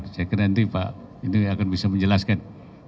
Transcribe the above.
saya kira nanti pak indri akan bisa menjelaskan